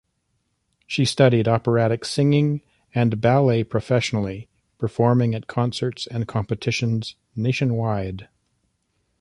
She studied operatic singing and ballet professionally, performing at concerts and competitions nationwide.